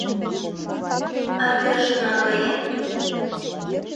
— Арвержым наҥгаен?